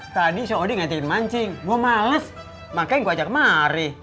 tadi soe ode ngajakin mancing gua males makanya gua ajak kemari